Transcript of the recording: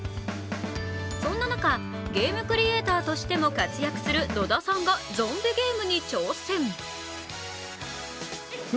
そんな中、ゲームクリエーターとしても活躍する野田さんがゾンビゲームに挑戦。